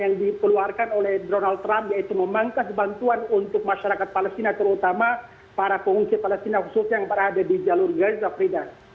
yang dikeluarkan oleh donald trump yaitu memangkas bantuan untuk masyarakat palestina terutama para pengungsi palestina khususnya yang berada di jalur gaza frida